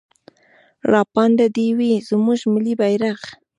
راپانده دې وي زموږ ملي بيرغ.